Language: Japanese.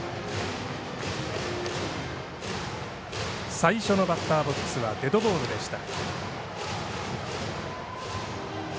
最初のバッターボックスはデッドボールでした。